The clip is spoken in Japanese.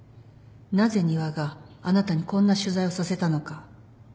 なぜ仁和があなたにこんな取材をさせたのか。